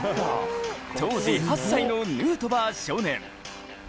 当時８歳のヌートバー少年。